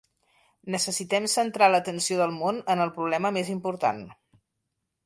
Necessitem centrar l'atenció del món en el problema més important.